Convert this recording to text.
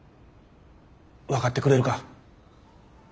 分かってくれるか？